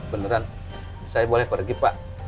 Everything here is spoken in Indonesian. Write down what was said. beneran saya boleh pergi pak